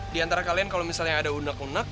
di antara kalian kalau misalnya ada undak unak